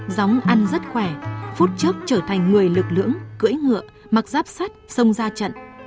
gióng ăn rất khỏe phút trước trở thành người lực lưỡng cưỡi ngựa mặc giáp sắt xông ra trận